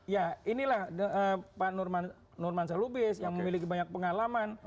ya inilah pak norman shalubis yang memiliki banyak pengalaman